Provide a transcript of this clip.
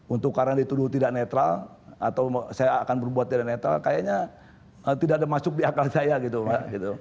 untuk karena dituduh tidak netral atau saya akan berbuat tidak netral kayaknya tidak ada masuk di akal saya gitu pak